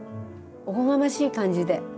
おこがましい感じで。